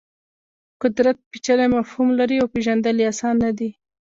قدرت پېچلی مفهوم لري او پېژندل یې اسان نه دي.